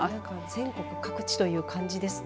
全国各地という感じですね。